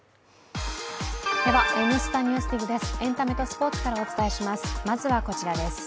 では「Ｎスタ・ＮＥＷＳＤＩＧ」です。